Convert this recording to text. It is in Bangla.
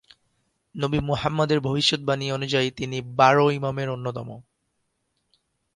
নবী মুহাম্মদের ভবিষ্যদ্বাণী অনুযায়ী তিনি বারো ইমামের অন্যতম।